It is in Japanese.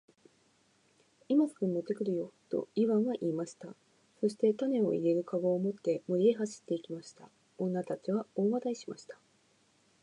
「今すぐ持って来るよ。」とイワンは言いました。そして種を入れる籠を持って森へ走って行きました。女たちは大笑いしました。